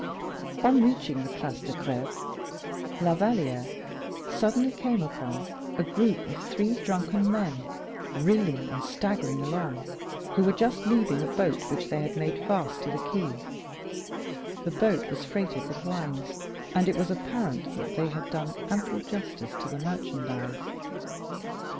On reaching the Place de Greve La Valliere suddenly came upon a group of three drunken men, reeling and staggering along, who were just leaving a boat which they had made fast to the quay; the boat was freighted with wines, and it was apparent that they had done ample justice to the merchandise.